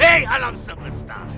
hei alam semesta